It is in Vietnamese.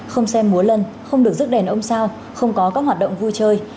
không xem múa lân không được rước đèn ông sao không có các hoạt động vui chơi